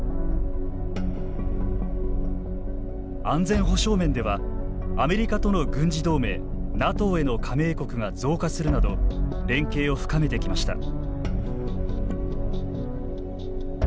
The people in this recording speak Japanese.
安全保障面ではアメリカとの軍事同盟ＮＡＴＯへの加盟国が増加するなど連携を深めてきました。